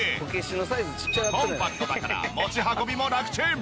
コンパクトだから持ち運びもラクチン！